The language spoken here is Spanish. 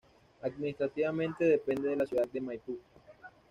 Administrativamente depende de la ciudad de Maipú.